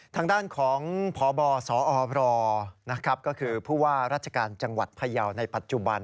ทางด้านของพบสอรก็คือผู้ว่าราชการจังหวัดพยาวในปัจจุบัน